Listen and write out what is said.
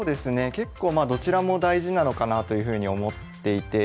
結構まあどちらも大事なのかなあというふうに思っていて。